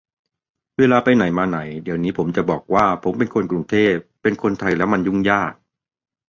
เวลาไปไหนมาไหน เดี๋ยวนี้ผมจะบอกว่าผมเป็นคนกรุงเทพ เป็นคนไทยแล้วมันยุ่งยาก